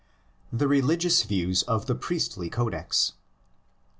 THE RELIGIOUS VIEWS OF THE PRIESTLY CODEX.